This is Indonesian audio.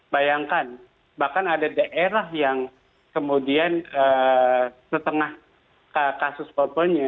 bayangkan bahkan ada daerah yang kemudian setengah kasus borpelnya